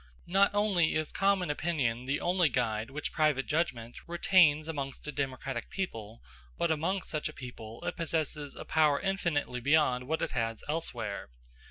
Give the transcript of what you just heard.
Not only is common opinion the only guide which private judgment retains amongst a democratic people, but amongst such a people it possesses a power infinitely beyond what it has elsewhere.